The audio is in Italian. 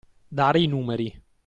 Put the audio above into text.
Dare i numeri.